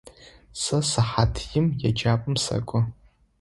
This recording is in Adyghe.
Сэ сыхьат им еджапӏэм сэкӏо.